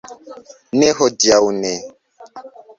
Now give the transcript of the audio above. Ne, hodiaŭ ne